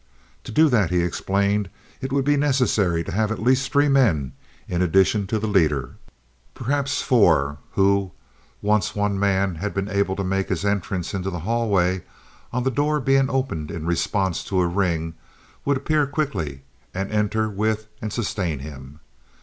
To do that, he explained, it would be necessary to have at least three men in addition to the leader—perhaps four, who, once one man had been able to make his entrance into the hallway, on the door being opened in response to a ring, would appear quickly and enter with and sustain him.